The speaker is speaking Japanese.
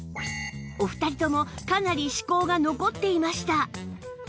お二人ともかなり歯垢が残っていました